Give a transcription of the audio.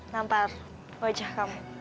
nampar wajah kamu